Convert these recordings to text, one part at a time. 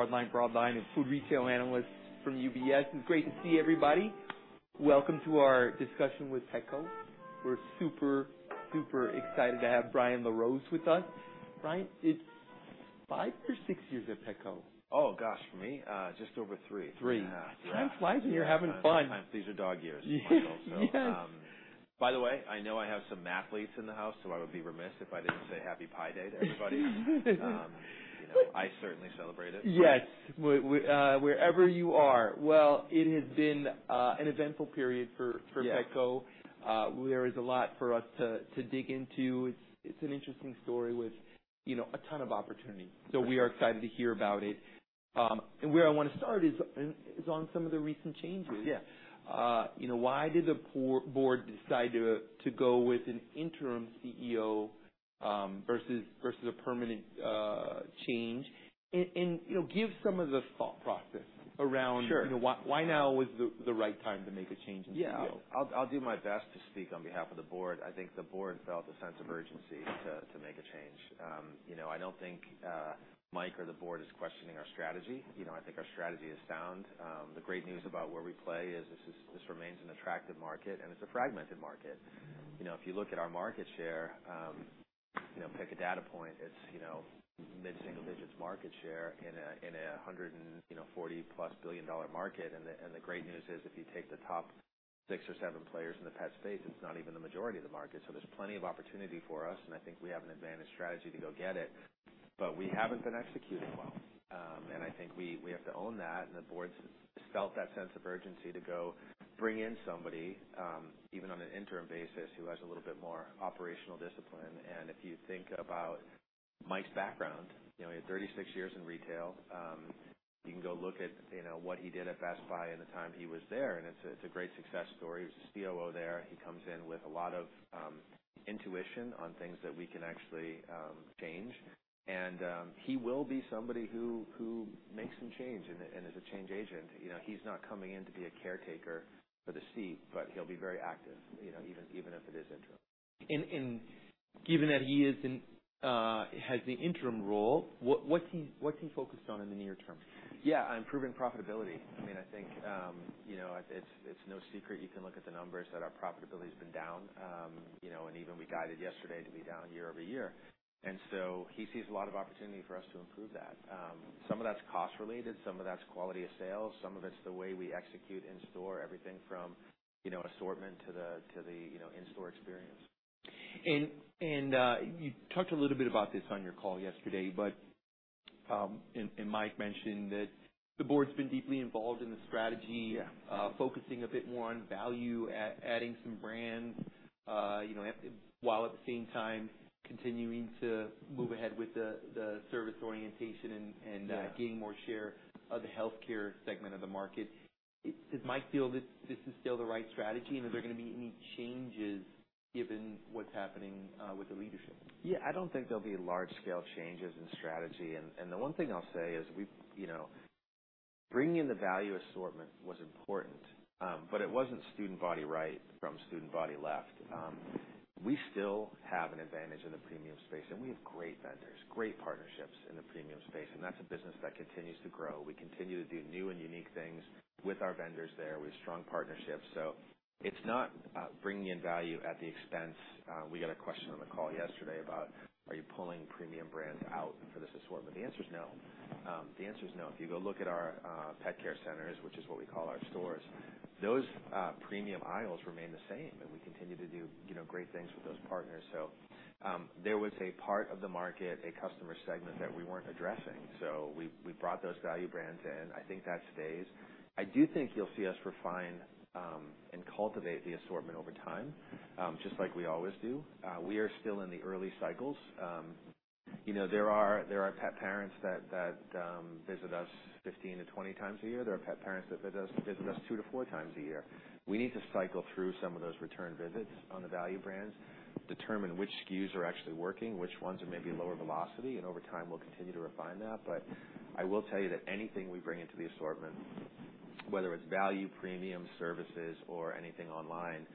The hardline and broadline food retail analyst from UBS. It's great to see everybody. Welcome to our discussion with Petco. We're super, super excited to have Brian LaRose with us. Brian, it's five or six years at Petco. Oh gosh, for me, just over three. Time flies when you're having fun. These are dog years, by the way. I know I have some athletes in the house so I would be remiss if I didn't say Happy Pi Day to everybody. I certainly celebrate it. Yes. Wherever you are. Well, it has been an eventful period for Petco. There is a lot for us to dig into. It's an interesting story with a ton of opportunity. So we are excited to hear about it. And where I want to start is on some of the recent changes. Why did the board decide to go with an interim CEO versus a permanent change and give some of the thought process around why now is the right time to make a change in the field? Yeah, I'll do my best to speak on behalf of the board. I think the board felt a sense of urgency to make a change. I don't think Mike or the board is questioning our strategy. I think our strategy is sound. The great news about where we play is this remains an attractive market and it's a fragmented market. If you look at our market share, pick a data point, it's mid single digits market share in a $140+ billion market. And the great news is if you take the top six or seven players in the pet space, it's not even the majority of the market. So there's plenty of opportunity for us. And I think we have an advantaged strategy to go get it. But we haven't been executing well and I think we have to own that. The board felt that sense of urgency to go bring in somebody even on an interim basis who has a little bit more operational discipline. If you think about Mike's background, he had 36 years in retail. You can go look at what he did at Best Buy in the time he was there. And it's a great success story. He's a COO there. He comes in with a lot of intuition on things that we can actually change. He will be somebody who makes some change and is a change agent. He's not coming in to be a caretaker for the seat, but he'll be very active even if it is interim. Given that he has the interim role, what's he focused on in the near term? Yes, improving profitability. I mean, I think you know, it's no secret. You can look at the numbers that our profitability has been down, you know, and even we guided yesterday to be down year-over-year. And so he sees a lot of opportunity for us to improve that. Some of that's cost related, some of that's quality of sales, some of it's the way we execute in store, everything from assortment to the in store experience. You talked a little bit about this on your call yesterday. But Mike mentioned that the board's been deeply involved in the strategy, focusing a bit more on value adding some brands, you know, while at the same time continuing to move ahead with the service orientation and gain more share healthcare segment of the market. Does Mike feel that this is still the right strategy and are there going to be any changes given what's happening with the leadership? Yeah, I don't think there'll be large-scale changes in strategy. The one thing I'll say is bringing in the value assortment was important, but it wasn't student body right from student body left. We still have an advantage in the premium space and we have great vendors, great partnerships in the premium space and that's a business that continues to grow. We continue to do new and unique things with our vendors there with strong partnerships. It's not bringing in value at the expense. We got a question on the call yesterday about are you pulling premium brands out for this assortment? The answer is no. The answer is no. If you go look at our Pet Care Centers, which is what we call our stores, those premium aisles remain the same and we continue to do great things with those partners. So there was a part of the market, a customer segment that we weren't addressing. So, so we brought those value brands in. I think that stays. I do think you'll see us refine and cultivate the assortment over time just like we always do. We are still in the early cycles. You know, there are pet parents that visit us 15-20x a year. There are pet parents that visit us 2-4x a year. We need to cycle through some of those return visits on the value brands, determine which SKUs are actually working, which ones are maybe lower velocity and over time we'll continue to refine that. But I will tell you that anything we bring into the assortment, whether it's value, premium services or anything online,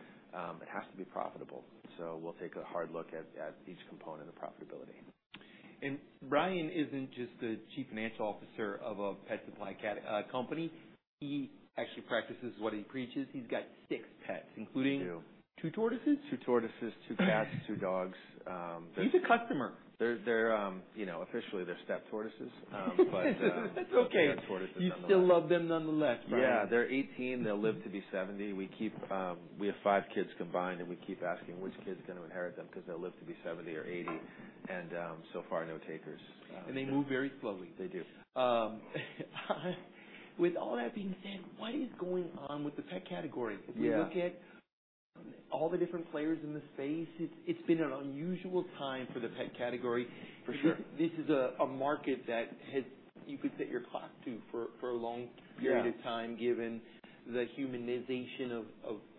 it has to be profitable. So we'll take a hard look at each component of profitability. Brian isn't just the Chief Financial Officer of a pet supply company. He actually practices what he preaches. He's got six pets, including two tortoises. Two tortoises, two cats, two dogs. He's a customer. Officially, they're step tortoises, but that's okay. You still love them nonetheless. Yeah, they're 18, they'll live to be 70. We keep, we have five kids combined and we keep asking which kid's going to inherit them because they'll live to be 70 or 80. So far, no takers. They move very slowly. They do. With all that being said, what is going on with the pet category? If we look at all the different players in the space, it's been an unusual time for the pet category, for sure. This is a market that has been, you could set your clock to for a long period of time. Given the humanization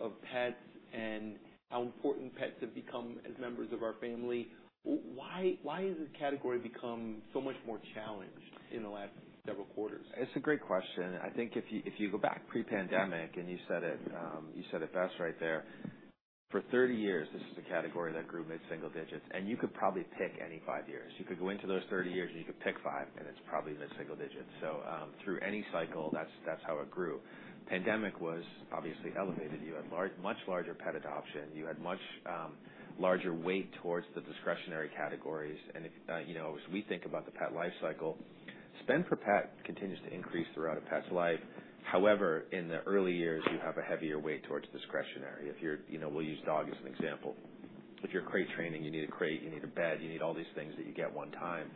of pets and how important pets have become as members of our family, why has this category become so much more challenged in the last several quarters? It's a great question. I think if you go back pre-pandemic and you said it best, right. There, for 30 years, this is a. Category that grew mid single digits and you could probably pick any five years. You could go into those 30 years and you could pick five, and it's probably mid single digits. So through any cycle, that's. That's how it grew. Pandemic was obviously elevated. You had much larger pet adoption, you had much larger weight towards the discretionary categories. And, you know, as we think about the pet life cycle, spend per pet continues to increase throughout a pet's life. However, in the early years, you have a heavier weight towards discretionary. If you're, you know, we'll use dog as an example. If you're crate training, you need a crate, you need a bed, you need all these things that you get one time.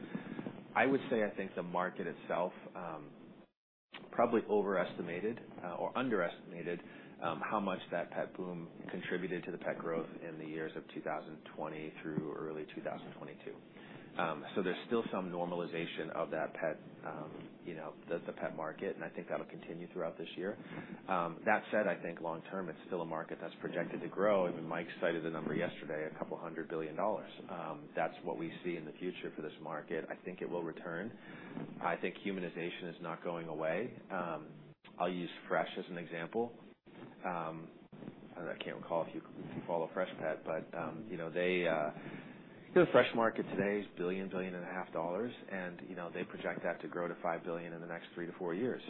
I would say, I think the market itself probably overestimated or underestimated how much that pet boom contributed to the pet growth in the years of 2020 through early 2022. So there's still some normalization of that pet, you know, the pet market, and I think that will continue throughout this year. That said, I think long term, it's still a market that's projected to grow. Even Mike cited the number yesterday. $200 billion. That's what we see in the future for this market. I think it will return. I think humanization is not going away. I'll use fresh as an example. I can't recall if you follow Freshpet, but you know, the fresh market today is $1 billion-$1.5 billion. And you know, they project that to grow to $5 billion in the next three-four years.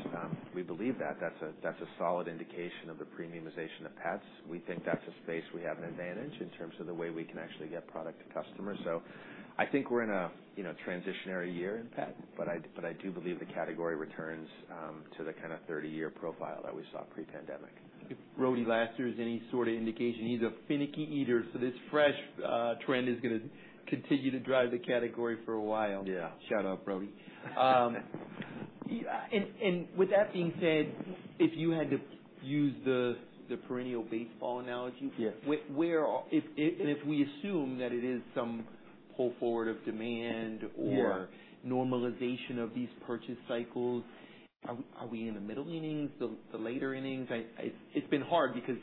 We believe that that's a solid indication of the premiumization of pets. We think that's a space we have an advantage in terms of the way we can actually get product to customers. So I think we're in a, you know, transitionary year in pet. But I do believe the category returns to the kind of 30-year profile that we saw pre-pandemic. Brody last year is any sort of indication. He's a finicky eater. So this fresh trend is going to continue to drive the category for a while. Yeah, shout out Brody. And with that being said, if you had to use the perennial baseball analogy and if we assume that it is some pull forward of demand or normalization of these purchase cycles, are we in the middle innings, the later innings? It's been hard because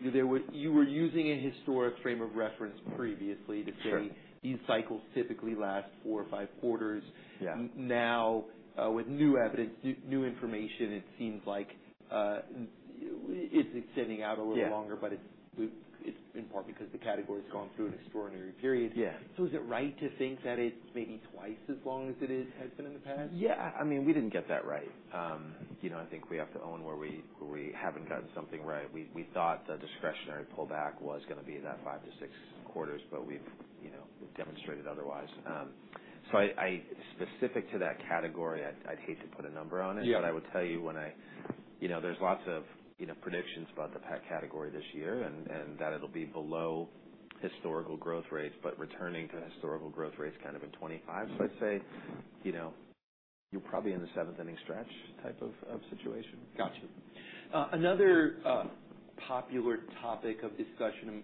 you were using a historic frame of reference previously to say these cycles typically last four or five quarters. Now with new evidence, new information, it seems like it's extending out a little longer. But it's in part because the category has gone through an extraordinary period. Yeah. Is it right to think that it's maybe twice as long as it has been in the past? Yeah, I mean we didn't get that right. You know, I think we have to own where we, we haven't gotten something right. We thought the discretionary pullback was going to be that five-six quarters, but we've, you know, demonstrated otherwise. So, specific to that category, I'd hate to put a number on it, but I would tell you when I, you know, there's lots of, you know, predictions about the pet category this year and that it'll be below historical growth rates but returning to historical growth rates kind of in 2025. So I'd say, you know, you're probably in the seventh inning stretch type of situation. Gotcha. Another popular topic of discussion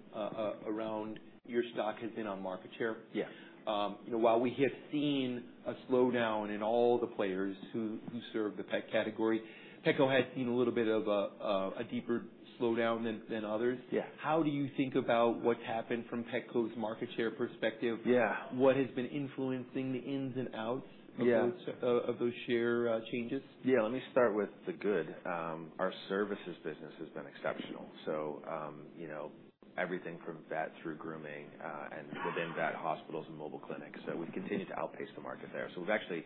around your stock has been on market share. Yes. While we have seen a slowdown in all the players who serve the pet category, Petco has seen a little bit of a deeper slowdown than others. How do you think about what's happened from Petco's market share perspective? Yeah. What has been influencing the ins and outs of those share changes? Yeah, let me start with the good. Our services business has been exceptional. So, you know, everything from vet through grooming and within that, hospitals and mobile clinics. So we've continued to outpace the market there. So we've actually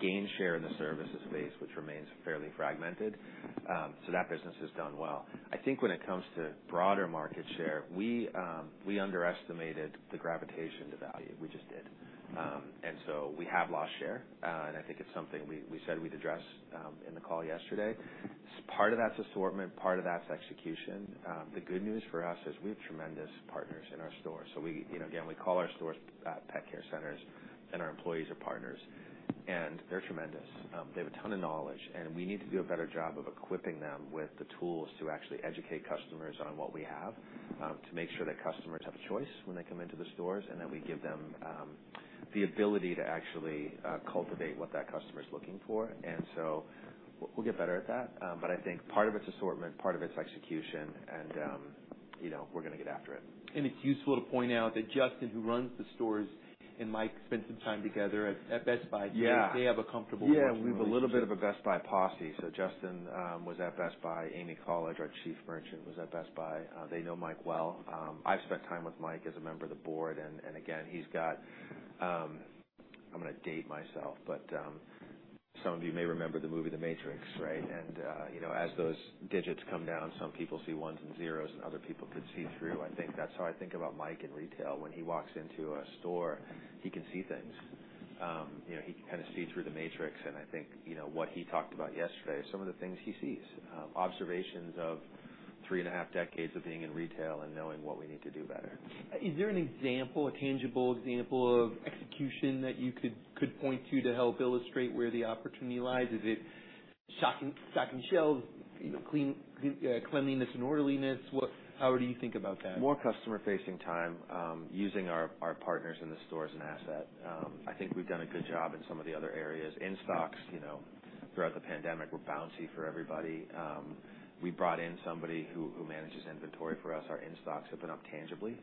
gained share in the services space which remains fairly fragmented. So that business has done well. I think when it comes to broader market share, we. We underestimated the gravitation to value. We just did. And so we have lost share. And I think it's something we said we'd address in the call yesterday. Part of that's assortment, part of that's execution. The good news for us is we have tremendous partners in our stores. So we, you know, again, we call our stores Pet Care Centers and our employees are partners and they're tremendous. They have a ton of knowledge. And we need to do a better job of equipping them with the tools to actually educate customers on what we have, to make sure that customers have choice when they come into the stores, and that we give them the ability to actually cultivate what that customer is looking for. And so we'll get better at that. But I think part of its assortment, part of its execution, and, you know, we're going to get after it. It's useful to point out that Justin, who runs the stores, and Mike spent some time together at Best Buy. They have a comfortable. Yeah, we have a little bit of a Best Buy posse. So Justin was at Best Buy. Amy College, our Chief Merchant, was at Best Buy. They know Mike well. I've spent time with Mike as a member of the board and again, he's got. I'm going to date myself, but some of you may remember the movie The Matrix, right? And you know, as those digits come down, some people see ones and zeros and other people could see through. I think that's how I think about Mike in retail. When he walks into a store, he can see things, you know, he can kind of see through the matrix. And I think, you know, what he talked about yesterday, some of the things he sees. Observations of three and a half decades of being in retail and knowing what we need to do better. Is there an example, a tangible example of execution that you could point to to help illustrate where the opportunity lies? Is it stocking shelves, cleanliness and orderliness? How do you think about that? More customer facing time using our partners in the store as an asset. I think we've done a good job in some of the other areas in stocks. You know, throughout the pandemic were bouncy for everybody. We brought in somebody who manages inventory for us. Our in stocks have been up tangibly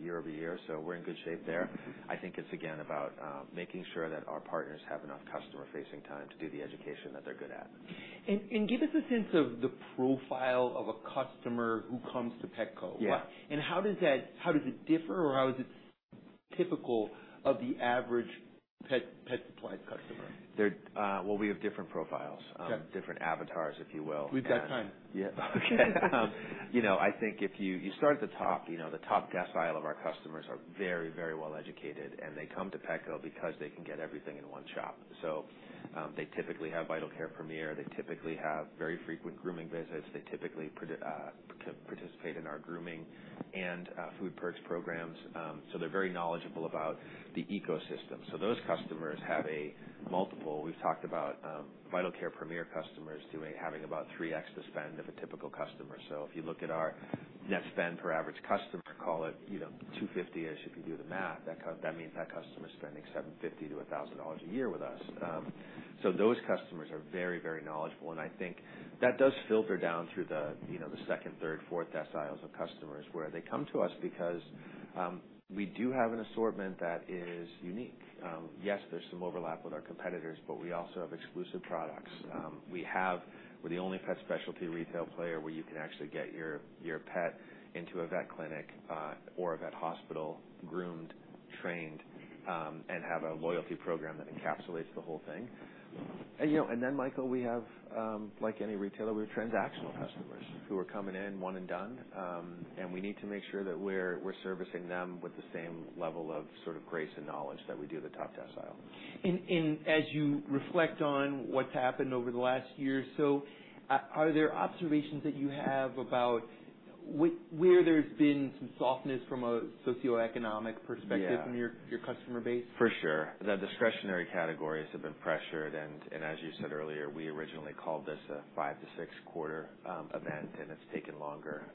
year-over-year, so we're in good shape there. I think it's again about making sure that our partners have enough customer facing time to do the education that they're. Go ahead and give us a sense of the profile of a customer who comes to Petco and how does that, how does it differ or how is it typical of the average pet supply customer? Well, we have different profiles, different avatars, if you will. We've got time. Yeah, okay. You know, I think if you start at the top, you know, the top decile of our customers are very, very well educated and they come to Petco because they can get everything in one shop. So they typically have Vital Care Premier. They typically have very frequent grooming visits. They typically participate in our grooming and food perks programs. So they're very knowledgeable about the ecosystem. So those customers have a multiple. We've talked about Vital Care Premier customers having about 3x to spend of a typical customer. So if you look at our net spend per average customer, call it $250-ish. If you do the math, that means that customer is spending $750-$1,000 a year with us. So those customers are very, very knowledgeable. And I think that does filter down through the second, third, fourth deciles of customers where they come to us because we do have an assortment that is unique. Yes, there's some overlap with our competitors, but we also have exclusive products. We have, we're the only pet specialty retail player where you can actually get your pet into a vet clinic or a vet hospital, groomed, trained, and have a loyalty program that encapsulates the whole thing. And then, Michael, we have, like any retailer, we're transactional customers who are coming in one and done and we need to make sure that we're servicing them with the same level of sort of grace and knowledge that we do. The top decile. As you reflect on what's happened over the last year or so, are there observations that you have about where there's been some softness from a socioeconomic perspective from your customer base? For sure, the discretionary categories have been pressured. As you said earlier, we originally called this a five to six-quarter event and it's taken longer.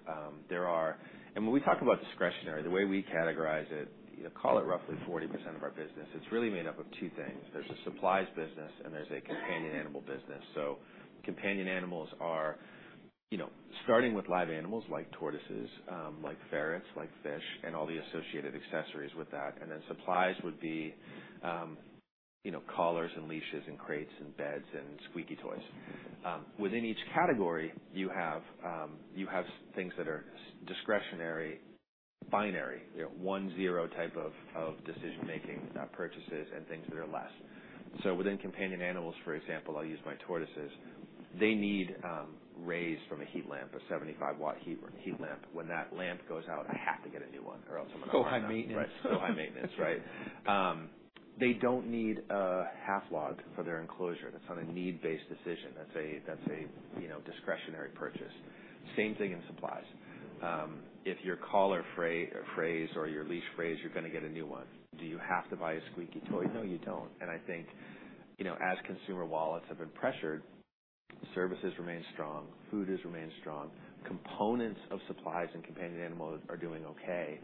When we talk about discretionary, the way we categorize it, call it roughly 40% of our business, it's really made up of two things. There's a supplies business and there's a companion animal business. So companion animals are, you know, starting with live animals like tortoises, like ferrets, like fish and all the associated accessories with that. Then supplies would be, you know, collars and leashes and crates and beds and squeaky toys. Within each category, you have things that are discretionary, binary 1, 0 type of decision making purchases and things that are less so within companion animals. For example, I'll use my tortoises. They need rays from a heat lamp, a 75-watt heat lamp. When that lamp goes out, I have to get a new one or. Else I'm going to go high maintenance. So, high maintenance. Right. They don't need a half log for their enclosure. That's on a need-based decision. That's a discretionary purchase. Same thing in supplies. If your collar frays or your leash frays, you're going to get a new one. Do you have to buy a squeaky toy? No, you don't. And I think as consumer wallets have been pressured, services remain strong, food has remained strong, components of supplies and companion animals are doing okay.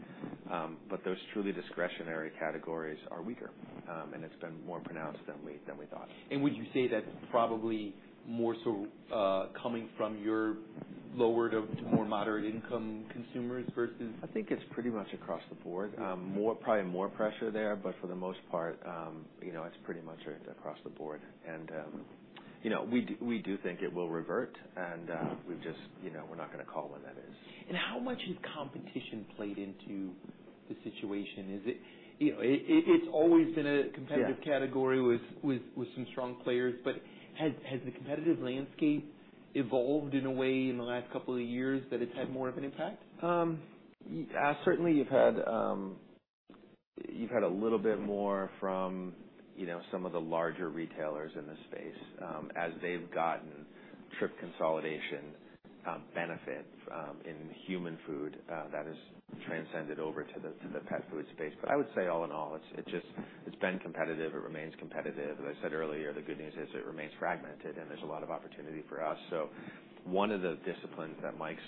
But those truly discretionary categories are weaker and it's been more pronounced than we, than we thought. Would you say that probably more so coming from your lower to more moderate income consumers versus I think it's? Pretty much across the board, more, probably more pressure there. But for the most part, you know, it's pretty much across the board, and you know, we do think it will revert, and we just, you know, we're not going to call when that. How much has competition played into the situation? Is it, you know, it's always been a competitive category with some strong players. But has the competitive landscape evolved in a way in the last couple of years that it's had more of an impact? Certainly. You've had a little bit more from some of the larger retailers in this space as they've gotten trip consolidation benefit in human food that is transcended over to the pet food space. But I would say all in all it just, it's been competitive, it remains competitive. As I said earlier, the good news is it remains fragmented and there's a lot of opportunity for us. So one of the disciplines that Mike's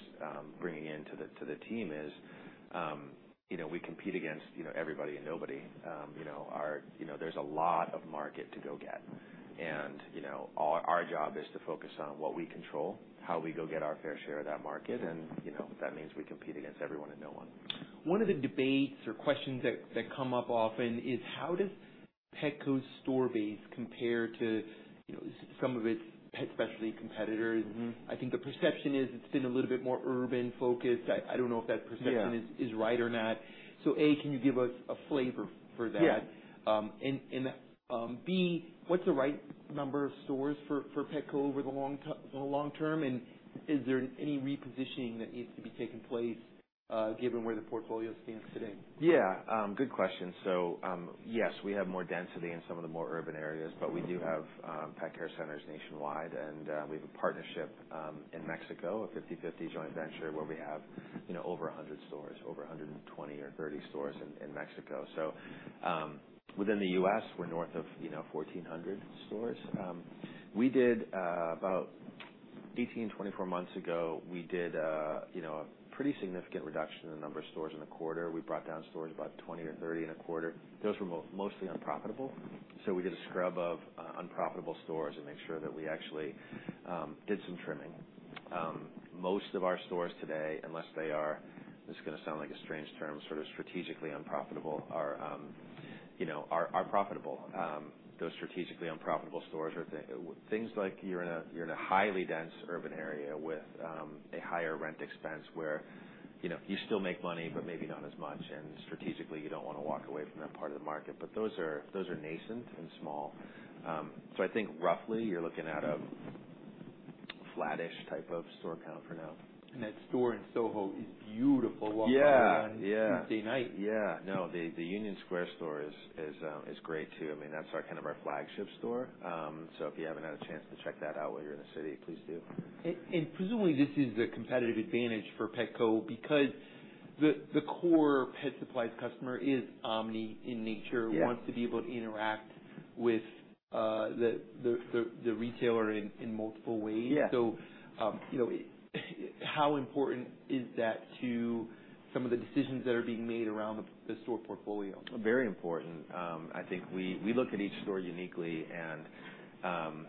bringing in to the team is, you know, we compete against, you know, everybody and nobody you know, are, you know, there's a lot of market to go get and our job is to focus on what we control, how we go get our fair share of that market. And that means we compete against everyone and no one. One of the debates or questions that come up often is how does Petco's store base compare to some of its pet specialty competitors? I think the perception is it's been a little bit more urban focused. I don't know if that perception is right or not. So A, can you give us a flavor for that and B, what's the right number of stores for Petco over the long term? Is there any repositioning that needs to be taken place given where the portfolio stands today? Yeah, good question. So yes, we have more density in some of the more urban areas, but we do have Pet Care Centers nationwide and we have a partnership in Mexico, a 50/50 joint venture where we have, you know, over 100 stores, over 120 or 130 stores in Mexico. So within the U.S. we're north of, you know, 1,400 stores. We did about 18-24 months ago, we did, you know, a pretty significant reduction in the number of stores in a quarter. We brought down stores about 20 or 30 in a quarter. Those were mostly unprofitable. So we did a scrub of unprofitable stores and make sure that we actually did some trimming. Most of our stores today, unless they are, this is going to sound like a strange term sort of strategically unprofitable are, you know, are profitable. Those strategically unprofitable stores are things like you're in a highly dense urban area with a higher rent expense where, you know, you still make money but maybe not as much. And strategically you don't want to walk away from that part of the market. But those are, those are nascent and small. So I think roughly you're looking at a flattish type of store count for now. That store in SoHo is beautiful. Walking around Tuesday night. Yeah, no, the Union Square store is great too. I mean that's our kind of our flagship store. So if you haven't had a chance to check that out while you're in the city, please do. Presumably this is a competitive advantage for Petco because the core pet supply customer is omni in nature, wants to be able to interact with the retailer in multiple ways. So how important is that to some of the decisions that are being made around the store portfolio? Very important. I think we look at each store uniquely and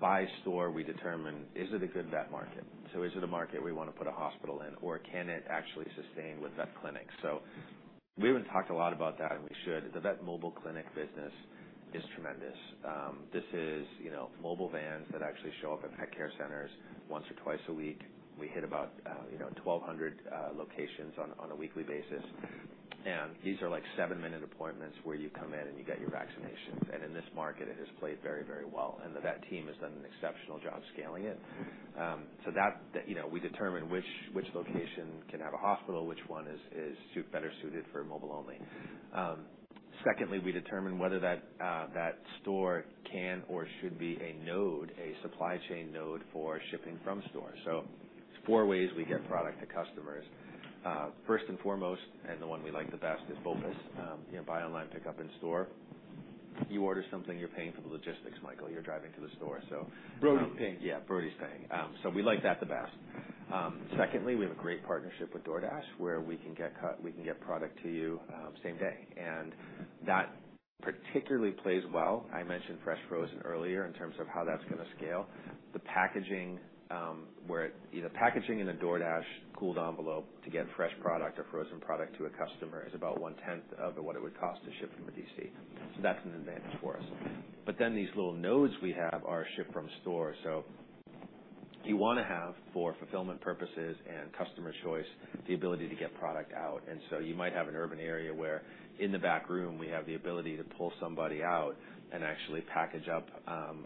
by store we determine is it a good vet market? So is it a market we want to put a hospital in or can it actually sustain with vet clinics? So we haven't talked a lot about that and we should. The mobile vet clinic business is tremendous. This is, you know, mobile vans that actually show up at Pet Care Centers once or twice a week. We hit about 1,200 locations on a weekly basis. And these are like seven-minute appointments where you come in and you get your vaccinations. And in this market it has played very. And that team has done an exceptional job scaling it so that, you know, we determine which location can have a hospital, which one is better suited for mobile only. Secondly, we determine whether that store can or should be a node, a supply chain node for shipping from stores. So four ways we get product to customers, first and foremost, and the one we like the best is BOPIS, buy online pick up in store. You order something, you're paying for the logistics. Michael, you're driving to the store. So Brody's paying. Yeah, Brody's paying. So we like that the best. Secondly, we have a great partnership with DoorDash where we can get product to you same day. And that particularly plays well. I mentioned fresh frozen earlier in terms of how that's going to scale the packaging, where either packaging in the DoorDash cooled envelope to get fresh product or frozen product to a customer is about one-tenth of what it would cost to ship from a DC. So that's an advantage for us. But then these little nodes we have are shipped from store. So you want to have for fulfillment purposes and customer choice, the ability to get product out. And so you might have an urban area where in the back room we have the ability to pull somebody out and actually package up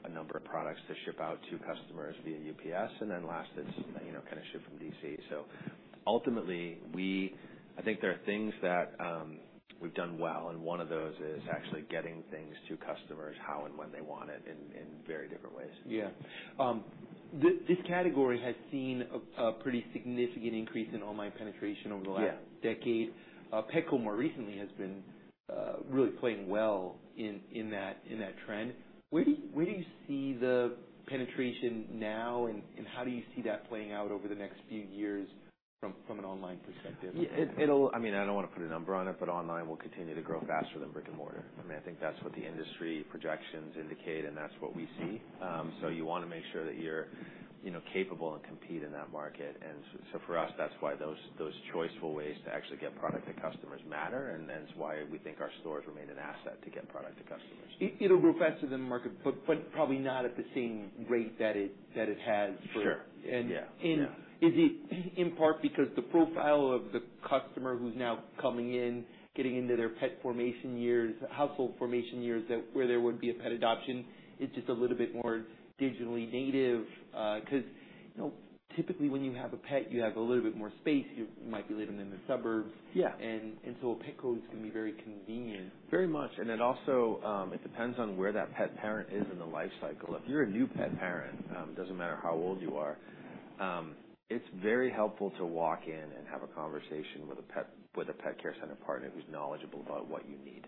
a number of products to ship out to consumer customers via UPS. And then last, it's kind of shipped from DC. So ultimately we, I think there are things that we've done well and one of those is actually getting things to customers how and when they want it in very different ways. Yeah. This category has seen a pretty significant increase in online penetration over the last decade. Petco more recently has been really playing well in that trend. Where do you see the penetration now and how do you see that playing out over the next few years from an online perspective? I mean, I don't want to put a number on it, but online will continue to grow faster than brick and mortar. I mean, I think that's what the industry projections indicate and that's what we see. So you want to make sure that you're capable and compete in that market. And so for us, that's why those choiceful ways to actually get product to customers matter and why we think our stores remain an asset to get product to customers. It'll grow faster than the market, but probably not at the same rate that it has. Sure. Is it in part because the profile of the customer who's now coming in, getting into their pet formation years, household formation years, where there would be a pet adoption, it's just a little bit more digitally native because typically when you have a pet, you have a little bit more space. You might be living in the suburbs. And so Petcos can be very convenient, very much. It also depends on where that pet parent is in the life cycle. If you're a new pet parent, doesn't matter how old you are, it's very helpful to walk in and have a conversation with a Pet Care Center partner who's knowledgeable about what you need,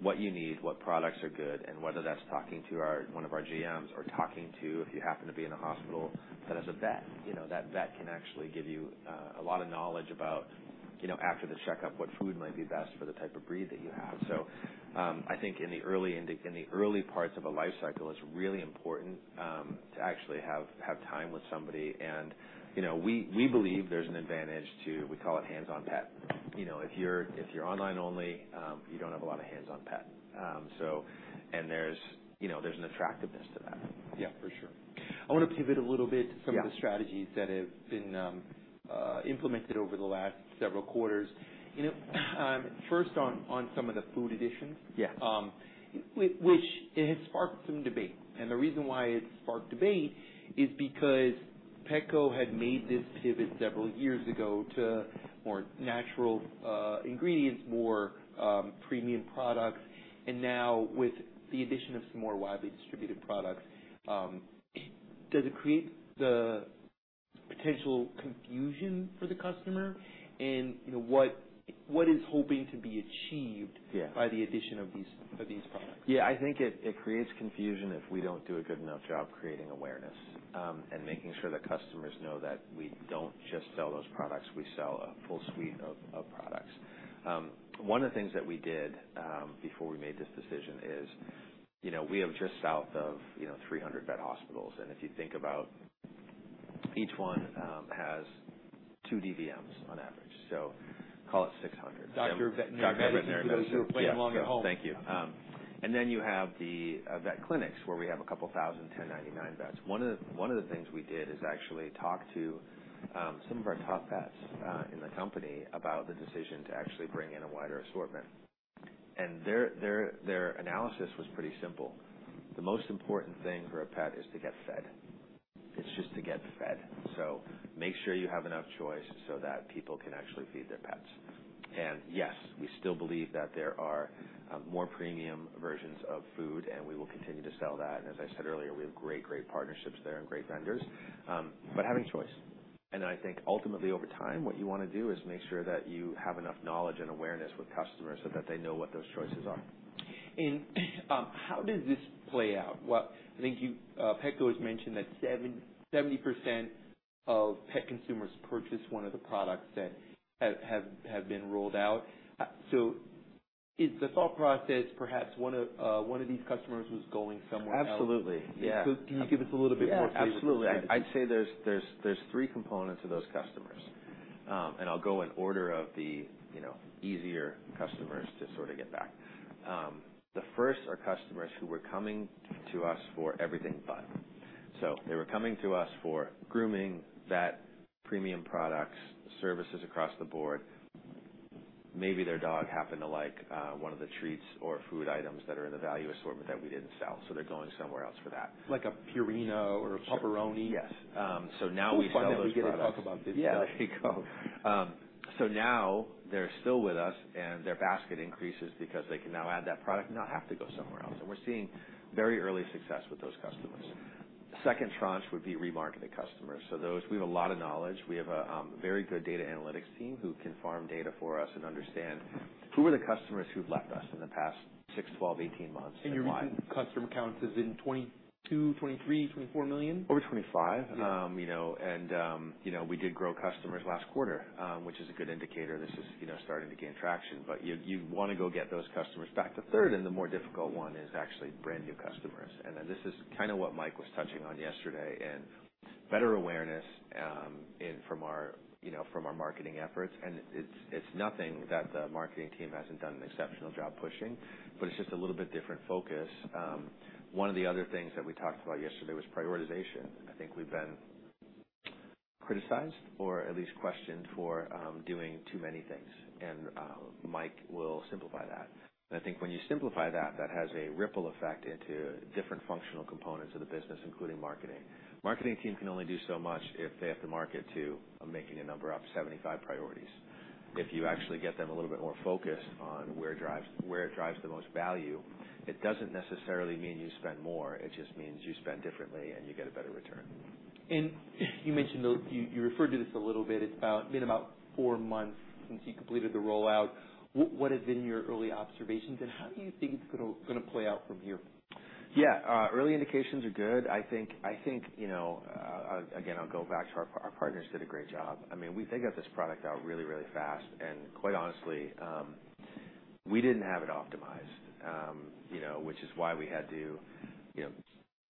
what you need, what products are good, and whether that's talking to one of our GMs or talking to, if you happen to be in a hospital that has a vet, that vet can actually give you a lot of knowledge about, you know, after the checkup, what food might be best for the type of breed that you have. So I think in the early innings, in the early parts of a life cycle, it's really important to actually have time with somebody. And you know, we believe there's an advantage to, we call it hands-on-pet. You know, if you're online only, you don't have a lot of hands-on pet. So. And there's, you know, there's an attractiveness to that. Yeah, for sure. I want to pivot a little bit. To some of the strategies that have been implemented over the last several quarters. First on some of the food additions, which has sparked some debate. The reason why it sparked debate is because Petco had made this pivot several years ago to more natural ingredients, more premium products. Now with the addition of some more widely distributed products, does it create the potential confusion for the customer and what is hoping to be achieved by the addition of these products? Yeah, I think it creates confusion if we don't do a good enough job creating awareness and making sure that customers know that we don't just sell those products, we sell a full suite of products. One of the things that we did before we made this decision is, you know, we have just south of 300 vet hospitals. And if you think about each one has two DVMs on average, so call it 600 at home. Thank you. And then you have the vet clinics where we have a couple thousand 1099 vets. One of the things we did is actually talk to some of our top vets in the company about the decision to actually bring in a wider assortment. And their analysis was pretty simple. The most important thing for a pet is to get fed. It's just to get fed. So make sure you have enough choice so that people can actually feed their pets. And yes, we still believe that there are more premium versions of food and we will continue to sell that. And as I said earlier, we have great, great partnerships there and great vendors, but having choice and I think ultimately over time what you want to do is make sure that you have enough knowledge and awareness with customers so that they know what those choices are. How does this play out? Well, I think Petco's mentioned that 70% of pet consumers purchase one of the products that have been rolled out. So is the thought process perhaps one of these customers was going somewhere? Absolutely. Can you give us a little bit more? Absolutely. I'd say there's three components of those customers and I'll go in order of the easier customers to sort of get back. The first are customers who were coming to us for everything, but so they were coming to us for grooming, that premium products, services across the board. Maybe their dog happened to like one of the treats or food items that in the value assortment that we didn't sell. So they're going somewhere else for that. Like a Purina or a Pup-Peroni. Yes. So now we finally get to talk about this. Yeah, there you go. So now they're still with us and their basket increases because they can now add that product, not have to go somewhere else. And we're seeing very early success with those customers. Second tranche would be remarketed customers. So those we have a lot of knowledge. We have a very good data analytics team who can farm data from us and understand who are the customers who've left us in the past six, 12, 18 months. Your recent customer count is in 22, 23, 24 million over 25. You know, and you know, we did grow customers last quarter, which is a good indicator. This is, you know, starting to gain traction. But you want to go get those customers back to third. And the more difficult one is actually brand new customers. And then this is kind of what Mike was touching on yesterday and better awareness from our, you know, from our marketing efforts. And it's nothing that the marketing team hasn't done an exceptional job pushing, but it's just a little bit different focus. One of the other things that we talked about yesterday was prioritization. I think we've been criticized or at least questioned for doing too many things. And Mike will simplify that. I think when you simplify that, that has a ripple effect into different functional components of the business, including marketing. Marketing team can only do so much if they have to market to making a number up to 75 priorities. If you actually get them a little bit more focused on where it drives the most value, it doesn't necessarily mean you spend more. It just means you spend differently and you get a better return. You mentioned, you referred to this a little bit. It's been about four months since you completed the rollout. What have been your early observations and how do you think it's going to play out from here? Yeah, early indications are good. I think again, I'll go back to. Our partners did a great job. I mean, they got this product out really, really fast. And quite honestly, we didn't have it optimized, which is why we had to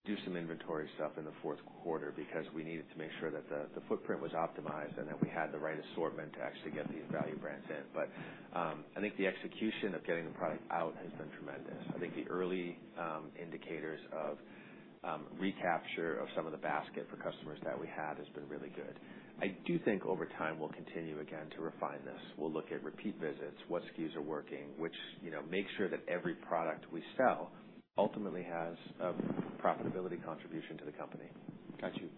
do some inventory stuff in the fourth quarter because we needed to make sure that the footprint was optimized and that we had the right assortment to actually get these value brands in. But I think the execution of getting the product out has been tremendous. I think the early indicators of recapture of some of the basket for customers that we have has been really good. I do think over time we'll continue again to refine this. We'll look at repeat visits, what SKUs are working, which, you know, make sure that every product we sell ultimately has a profitability contribution to the company. Got you.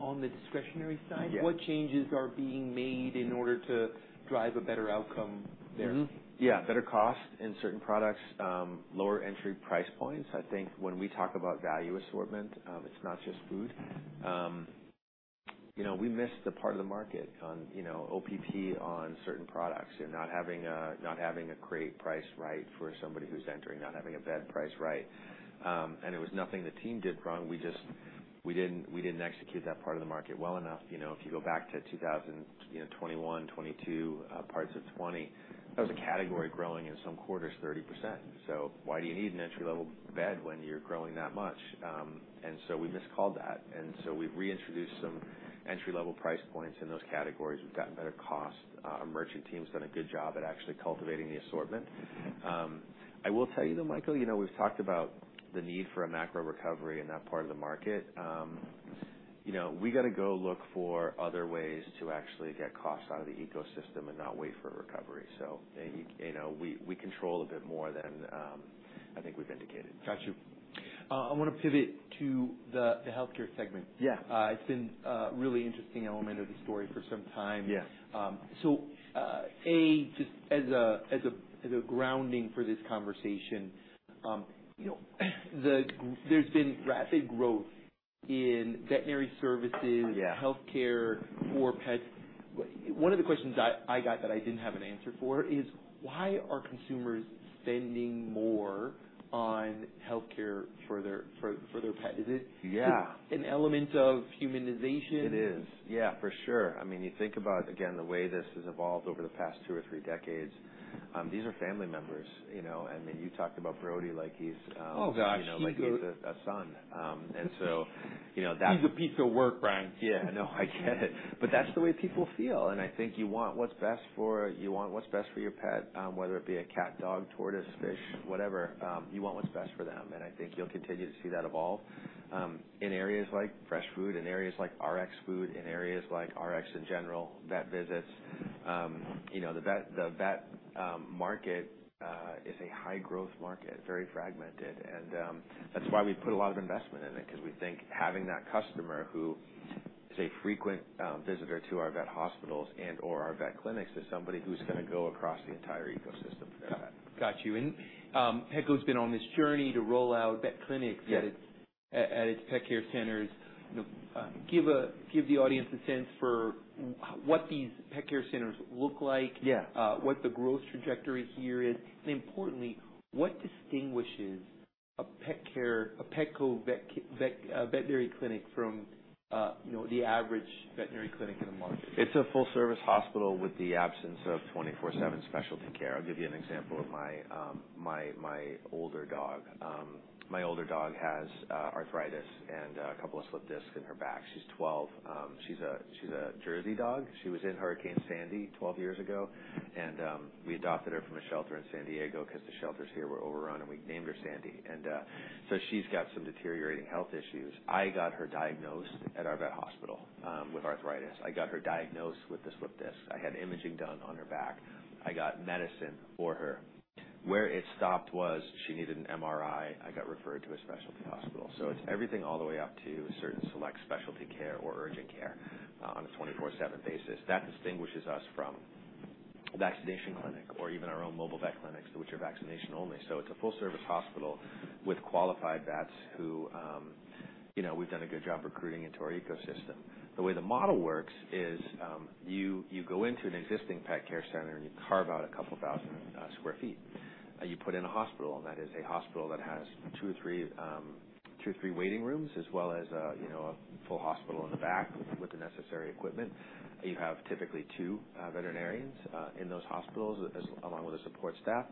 On the discretionary side, what changes are being made in order to drive a better outcome there? Yeah, better cost in certain products, lower entry price points. I think when we talk about value assortment, it's not just food. You know, we missed the part of the market on, you know, OPP on certain products and not having a, not having a crate price right. For somebody who's entering, not having a bed price right. And it was nothing the team did wrong. We just, we didn't, we didn't execute that part of the market well enough. You know, if you go back to 2020, 2021, 2022 parts of 2020, that was a category growing in some quarters 30%. So why do you need an entry level bed when you're growing that much? And so we miscalled that and so we've reintroduced some entry level price points in those categories. We've gotten better cost. Our merchant team's done a good job at actually cultivating the assortment. I will tell you though, Michael, you know, we've talked about the need for a macro recovery in that part of the market. You know, we got to go look for other ways to actually get costs out of the ecosystem and not wait for a recovery. So, you know, we control a bit more than I think we've indicated. Got you. I want to pivot to the healthcare segment. Yeah, it's been really interesting element of the story for some time. Yes. Just as a grounding for this conversation, there's been rapid growth in veterinary services, health care for pets. One of the questions I got that I didn't have an answer for is why are consumers spending more on healthcare for their pet? Is it an element of humanization? It is, yeah, for sure. I mean, you think about again, the way this has evolved over the past two or three decades. These are family members, you know, I mean, you talked about Brody like he's a son and so you. Know that he's a piece of work. Yeah, no, I get it. But that's the way people feel. And I think you want what's best for you want what's best for your pet, whether it be a cat, dog, tortoise, fish, whatever you want what's best for them. And I think you'll continue to see that evolve in areas like fresh food in areas like Rx food in areas like Rx in general vet visits. You know, the vet market is a high growth market, very fragmented and that's why we put a lot of investment in it because we think having that customer who is a frequent visitor to our vet hospitals and or our vet clinics is somebody who's going to go across the entire ecosystem. Got you. Petco has been on this journey to roll out vet clinics at its Pet Care Centers. Give the audience a sense for what these Pet Care Centers look, what the growth trajectory here is. Importantly, what distinguishes a pet care, a Petco veterinary clinic, from the average veterinary clinic in the market. It's a full-service hospital with the absence of 24/7 specialty care. I'll give you an example of my older dog. My older dog has arthritis and a couple of slipped discs in her back. She's 12. She's a Jersey dog. She was in Hurricane Sandy 12 years ago and we adopted her from a shelter in San Diego because the shelters here were overrun. And we named her Sandy. And so she's got some deteriorating health issues. I got her diagnosed at our vet hospital with arthritis. I got her diagnosed with the slipped disc. I had imaging done on her back. I got medicine for her. Where it stopped was she needed an MRI. I got referred to a specialty hospital. So it's everything all the way up to a certain select specialty care or urgent care on a 24/7 basis. That distinguishes us from vaccination clinic or even our own Mobile Vet Clinics which are vaccination only. So it's a full service hospital with qualified vets who, you know, we've done a good job recruiting into our ecosystem. The way the model works is you go into an existing Pet Care Center and you carve out a couple thousand square feet. You put in a hospital and that is a hospital that has two or three, two or three waiting rooms as well as, you know, a full hospital in the back with the necessary equipment. You have typically two veterinarians in those hospitals along with the support staff.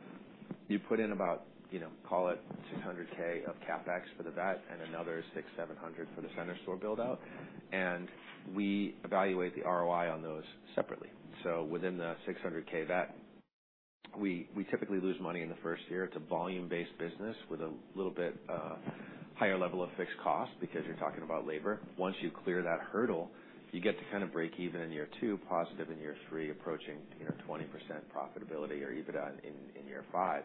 You put in about, you know, call it $600,000 of CapEx for the vet and another $600-$700 for the center store build out and we evaluate the ROI on those separately. So within the 600,000 vet we typically lose money in the first year. It's a volume based business with a little bit higher level of fixed cost because you're talking about labor. Once you clear that hurdle, you get to kind of break even in year two, positive in year three, approaching 20% profitability or EBITDA in year five.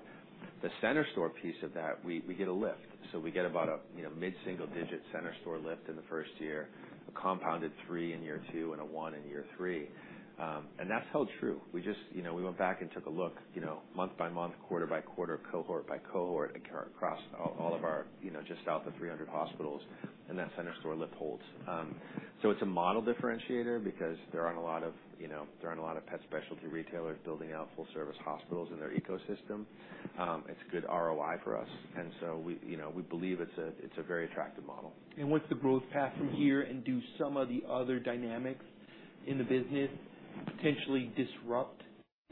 The center store piece of that we get a lift. So we get about a mid single digit center store lift in the first year, a compounded three in year two and a one in year three. And that's held true. We just, you know, we went back and took a look, you know, month by month, quarter by quarter, cohort by cohort across all of our, you know, just south of 300 hospitals. And that center store lift holds. So it's a model differentiator because there aren't a lot of, you know, there aren't a lot of pet specialty retailers building out full service hospitals in their ecosystem. It's good ROI for us. And so we, you know, we believe it's a, it's a very attractive. What's the growth path from here and do some of the other dynamics in the business potentially disrupt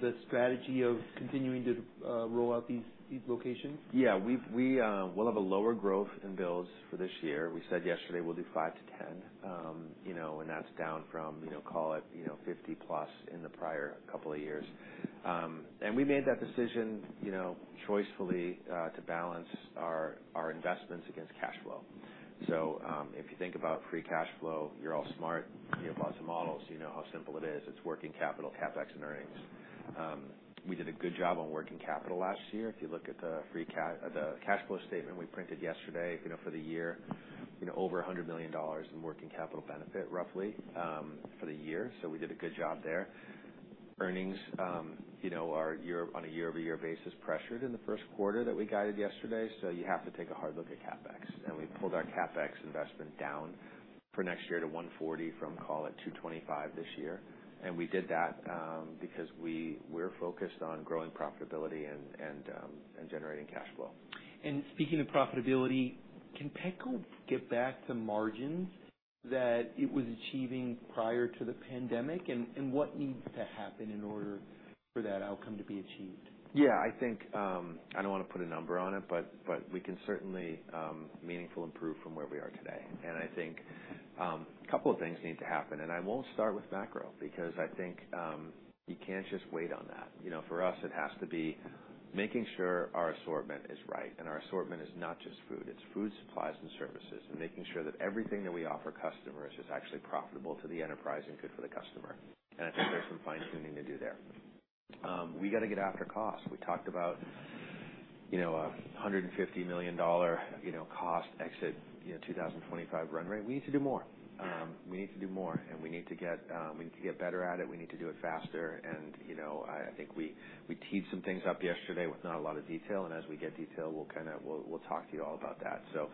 the strategy of continuing to roll out these locations? Yeah, we will have a lower growth in builds for this year. We said yesterday we'll do five-10, you know, and that's down from you know, call it, you know, 50+ in the prior couple of years. And we made that decision, you know, choicefully to balance our investments against cash flow. So if you think about free cash flow, you're all smart, you have lots of models, you know how simple it is. It's working capital, CapEx and earnings. We did a good job on working capital last year. If you look at the free cash, the cash flow statement we printed yesterday for the year, over $100 million in working capital benefit roughly for the year. So we did a good job there. Earnings our year on a year-over-year basis, pressured in the first quarter that we guided yesterday. You have to take a hard look at CapEx. We pulled our CapEx investment down for next year to $140 from call it $225 this year. We did that because we were focused on growing profitability and generating cash flow. Speaking of profitability, can Petco get back to margins that it was achieving prior to the pandemic and what needs to happen in order to, for that outcome to be achieved? Yeah, I think I don't want to put a number on it, but we can certainly meaningfully improve from where we are today. I think a couple of things need to happen and I won't start with macro because I think you can't just wait on that. You know, for us it has to be making sure our assortment is right and our assortment is not just food, it's food supplies and services and making sure that everything that we offer customers is actually profitable to the enterprise and good for the customer. I think there's some fine tuning to do there. We got to get after cost. We talked about, you know, a $150 million, you know, cost exit 2025 run rate. We need to do more, we need to do more and we need to get better at it. We need to do it faster. You know, I think we teed some things up yesterday with not a lot of detail. As we get detail, we'll kind of talk to you all about that. So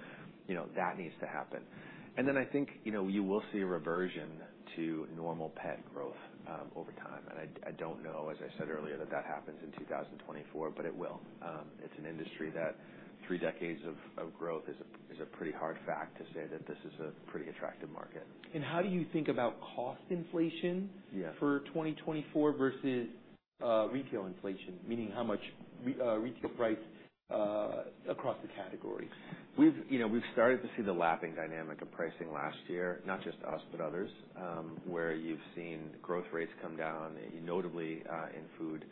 that needs to happen. Then I think you will see a reversion to normal pet growth over time. I don't know, as I said earlier, that that happens in 2024, but it will. It's an industry that three decades of growth is a pretty hard fact to say that this is a pretty attractive market. How do you think about cost inflation for 2024 versus retail inflation, meaning how much retail price across the category? You know, we've started to see the lapping dynamic of pricing last year. Not just us, but others where you've seen growth rates come down, notably in food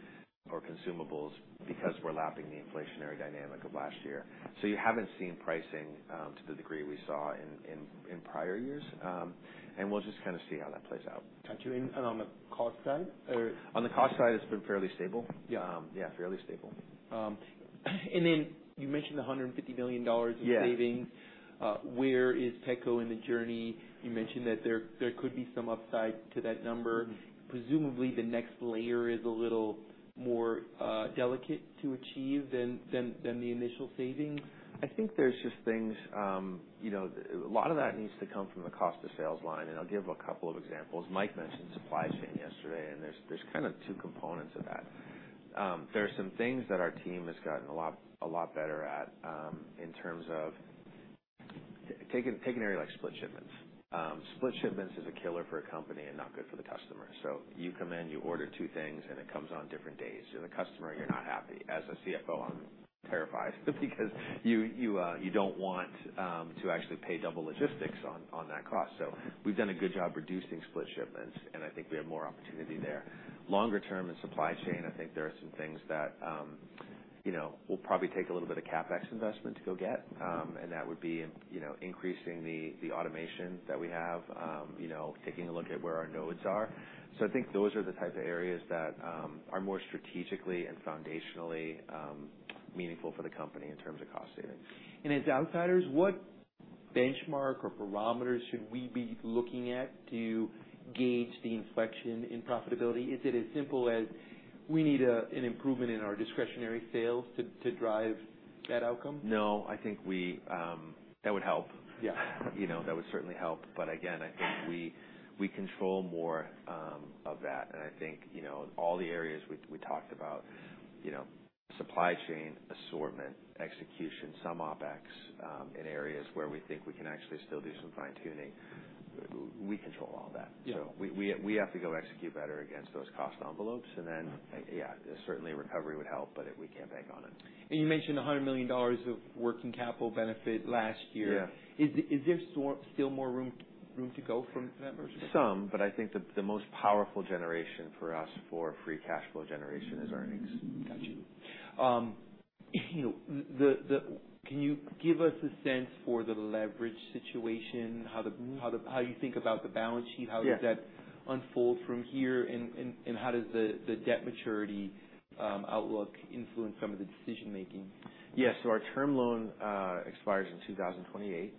or consumables, because we're lapping the inflationary dynamic of last year. So you haven't seen pricing to the degree we saw in prior years and we'll just kind of see how that plays out. On the cost side. On the cost side, it's been fairly stable. Yeah, fairly stable. And then you mentioned the $150 million in savings. Where is Petco in the journey? You mentioned that there could be some upside to that number. Presumably the next layer is a little more delicate to achieve than the initial savings. I think there's just things a lot of that needs to come from the cost of sales line. I'll give a couple of examples, as Mike mentioned supply chain yesterday, and there's kind of two components of that. There are some things that our team has gotten a lot better at in terms of take an area like split shipments. Split shipments is a killer for a company and not good for the customer. So you come in, you order two things and it comes on different days. As a customer, you're not happy. As a CFO, I'm terrified because you don't want to actually pay double logistics on that cost. So we've done a good job reducing split shipments and I think we have more opportunity there longer term in supply chain. I think there are some things that, you know, will probably take a little bit of CapEx investment to go get and that would be, you know, increasing the automation that we have, you know, taking a look at where our nodes are. So I think those are the type of areas that are more strategically and foundationally meaningful for the company in terms of cost savings. As outsiders, what benchmark or barometer should we be looking at to gauge the inflection in profitability? Is it as simple as we need an improvement in our discretionary sales to drive that outcome? No, I think we. That would help. Yeah, you know, that would certainly help. But again, I think we control more of that and I think, you know, all the areas we talked about, you know, supply chain, assortment, execution, some OpEx in areas where we think we can actually still do some fine tuning, we control all that. So we have to go execute better against those cost envelopes. And then yeah, certainly recovery would help, but we can't bank on it. You mentioned $100 million of working capital benefit last year. Is there still more room to go from that version? Some. But I think the most powerful generation for us for free cash flow generation is earnings. Got you. Can you give us a sense for the leverage situation? How you think about the balance sheet? How does that unfold from here? And how does the debt maturity outlook influence some of the decision making? Yes. So our term loan expires in 2028,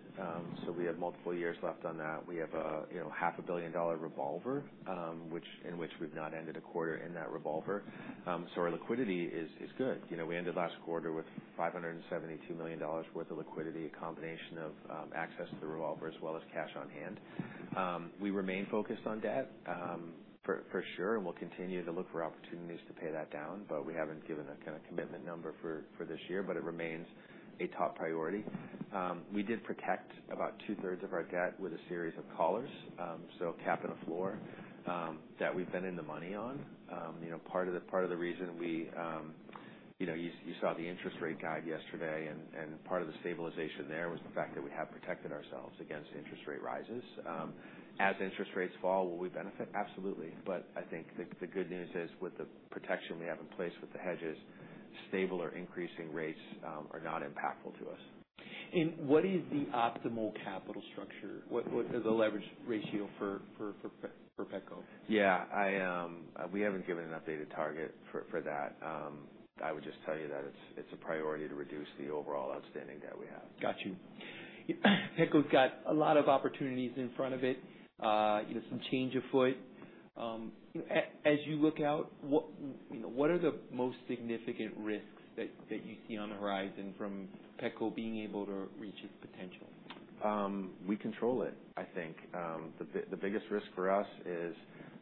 so we have multiple years left on that. We have a $500 million revolver in which we've not ended a quarter in that revolver. So our liquidity is good. You know, we ended last quarter with $572 million worth of liquidity from a combination of access to the revolver as well as cash on hand. We remain focused on debt for sure and we'll continue to look for opportunities to pay that down. But we haven't given a kind of commitment number for this year, but it remains a top priority. We did protect about two-thirds of our debt with a series of collars so cap and a floor that we've been in the money on. You know, part of the reason we. You saw the interest rate guide yesterday and part of the stabilization there was the fact that we have protected ourselves against interest rate rises. As interest rates fall, will we benefit? Absolutely. But I think the good news is with the protection we have in place, with the hedges stable or increasing, rates are not impactful to us. What is the optimal capital structure? The leverage ratio for Petco? Yeah, we haven't given an updated target for that. I would just tell you that it's a priority to reduce the overall outstanding debt. We have got you. Petco's got a lot of opportunities in front of it. Some change afoot as you look out. What are the most significant risks that you see on the horizon from Petco being able to reach its potential? We control it. I think the biggest risk for us is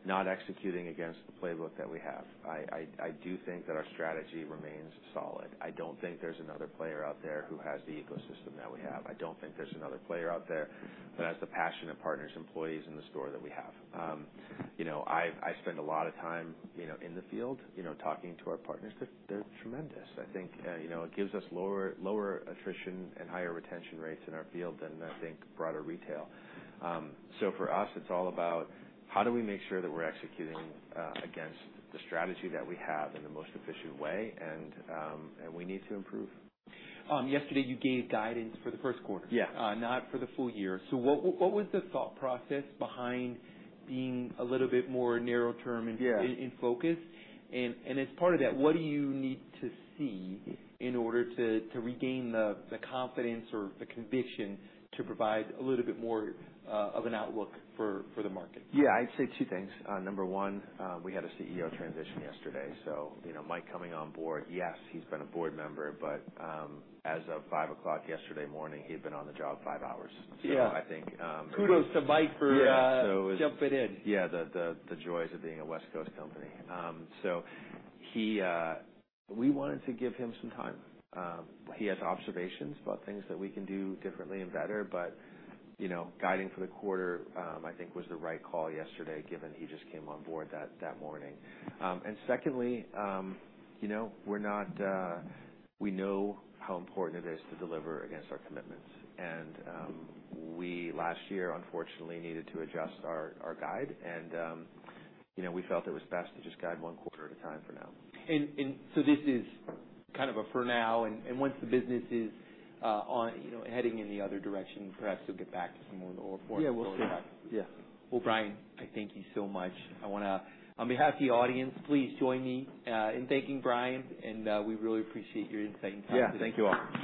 not executing against the playbook that we have. I do think that our strategy remains solid. I don't think there's another player out there who has the ecosystem that we have. I don't think there's another player out there that has the passionate partners, employees in the store that we have. You know, I spend a lot of time, you know, in the field, you know, talking to our partners. They're tremendous. I think, you know, it gives us lower attrition and higher retention rates in our field than I think, broader retail. So for us, it's all about how do we make sure that we're executing against the strategy that we have in the most efficient way and we need to improve. Yesterday you gave guidance for the first quarter. Yeah, not for the full year. So what was the thought process behind being a little bit more narrow term in focus and as part of that, what do you need to see in order to regain the confidence or the conviction to provide a little bit more of an outlook for the market? Yeah, I'd say two things. Number one, we had a CEO transition yesterday. So Mike coming on board? Yes, he's been a board member, but as of 5:00 yesterday morning, he had been on the job 5 hours. Kudos to Mike for jumping in. Yeah, the joys of being a West Coast company, so we wanted to give him some time. He has observations about things that we can do differently and better. But, you know, guiding for the quarter, I think was the right call yesterday, given he just came on board that morning. And secondly, you know, we're not—we know how important it is to deliver against our commitments. And we last year, unfortunately, needed to adjust our guide. And we felt it was best to just guide one quarter at a time for now. This is kind of a for now. Once the business is heading in the other direction, perhaps you'll get back to some more. Yeah, we'll see. Yeah. Well, Brian, I thank you so much. I want to, on behalf of the audience, please join me in thanking Brian. And we really appreciate your insight and time today. Yeah. Thank you all.